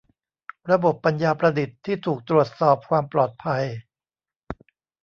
ระบบปัญญาประดิษฐ์ที่ถูกตรวจสอบความปลอดภัย